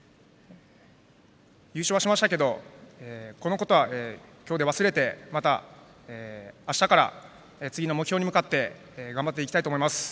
優勝はしましたけどこのことは今日で忘れてまた明日から次の目標に向かって頑張っていきたいと思います。